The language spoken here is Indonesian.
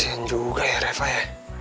kesian juga ya reva ya